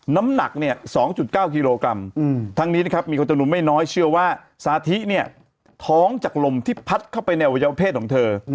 น้ำหนักเนี่ย๒๙กิโลกรัมทั้งนี้นะครับมีคนจำนวนไม่น้อยเชื่อว่าสาธิเนี่ยท้องจากลมที่พัดเข้าไปในอวัยวเพศของเธอ